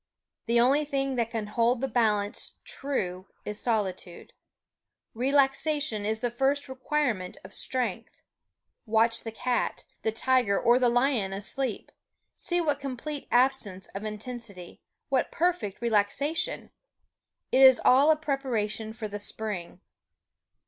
The only thing that can hold the balance true is solitude. Relaxation is the first requirement of strength. Watch the cat, the tiger or the lion asleep. See what complete absence of intensity what perfect relaxation! It is all a preparation for the spring.